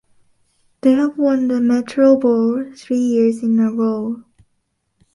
They have won the Metro Bowl three years in a row.